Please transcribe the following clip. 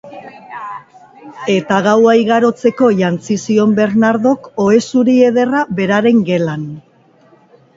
Eta gaua igarotzeko jantzi zion Bernardok ohe zuri ederra beraren gelan